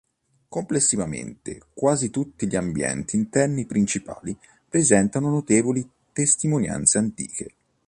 Complessivamente quasi tutti gli ambienti interni principali presentano notevoli testimonianze antiche.